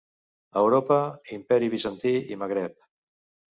Europa, Imperi Bizantí i Magreb.